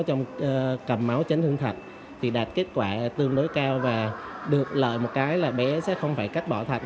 trong cầm máu chấn thương thận đạt kết quả tương đối cao và được lợi một cái là bé sẽ không phải cách bỏ thận